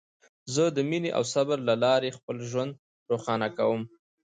زه د مینې او صبر له لارې خپل ژوند روښانه کوم.